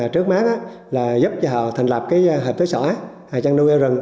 trước mát là giúp cho họ thành lập cái hệ tế sỏi hay chăn nuôi heo rừng